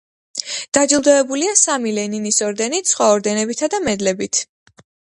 დაჯილდოებულია სამი ლენინის ორდენით, სხვა ორდენებითა და მედლებით.